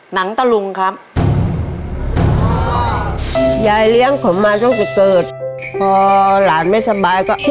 หนังตะลุงครับ